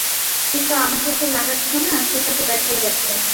কিন্তু আমাকে যে লাগাচ্ছ না, সেটা তো দেখাই যাচ্ছে!